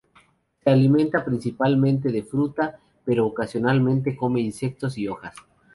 Se alimenta principalmente de fruta, pero ocasionalmente come insectos y hojas.